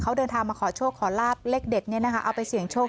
เขาเดินทางมาขอโชคขอลาบเลขเด็ดเนี่ยนะคะเอาไปเสี่ยงโชค